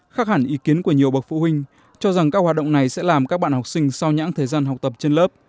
khác hẳn ý kiến của nhiều bậc phụ huynh cho rằng các hoạt động này sẽ làm các bạn học sinh sau nhãn thời gian học tập trên lớp